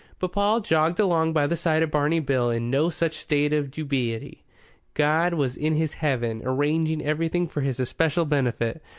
But Paul jogged along by the side of Barney Bill in no such state of dubiety. God was in His Heaven, arranging everything for his especial benefit.